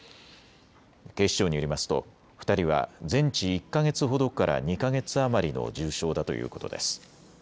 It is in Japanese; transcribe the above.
警視庁によりますと２人は全治１か月ほどから２か月余りの重傷だということです。